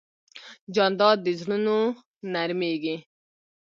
جانداد د زړونو نرمیږي.